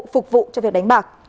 phục vụ cho việc đánh bạc